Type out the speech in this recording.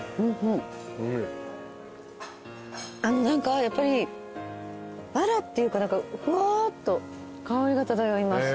何かやっぱりわらっていうか何かふわっと香りが漂います。